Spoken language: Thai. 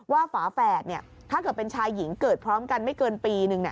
ฝาแฝดถ้าเกิดเป็นชายหญิงเกิดพร้อมกันไม่เกินปีนึง